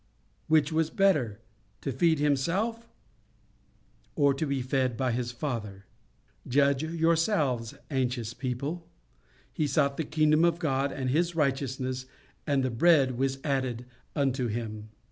—Which was better? To feed Himself, or be fed by His Father? Judge yourselves, anxious people, He sought the kingdom of God and His righteousness, and the bread was added unto Him.